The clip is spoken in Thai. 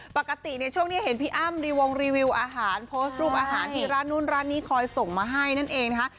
ปกติในช่วงนี้เห็นพี่อ้ำรีวงรีวิวอาหารโพสต์รูปอาหารที่ร้านนู่นร้านนี้คอยส่งมาให้นั่นเองนะคะ